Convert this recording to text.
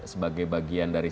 sebagai bagian dari